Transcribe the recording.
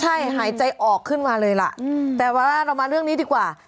ใช่หายใจออกขึ้นมาเลยล่ะแต่ว่าเรามาเรื่องนี้ดีกว่า